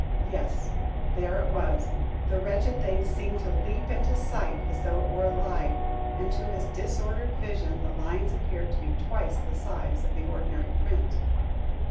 Yes there it was. The wretched thing seemed to leap into sight as though it were alive, and to his disordered vision the lines appeared to be twice the size of the ordinary print.